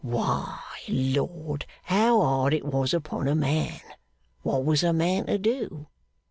Why, Lord, how hard it was upon a man! What was a man to do?